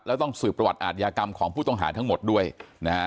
แล้วต้องสืบประวัติอาทยากรรมของผู้ต้องหาทั้งหมดด้วยนะฮะ